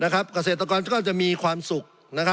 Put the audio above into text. เกษตรกรก็จะมีความสุข